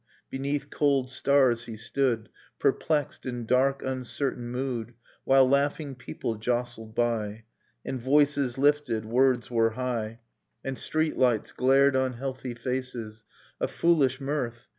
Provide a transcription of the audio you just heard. Beneath cold stars he stood, Perplexed, in dark uncertain mood. While laughing people jostled by. And voices lifted, words were high, And street lights glared on healthy faces. A foolish mirth